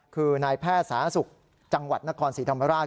คือนายแพทย์สาธารณสุขจังหวัดนครศรีธรรมราช